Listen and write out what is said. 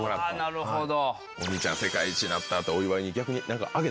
なるほど。